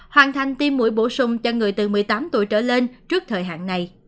hoàn thành tiêm mũi bổ sung cho người từ một mươi tám tuổi trở lên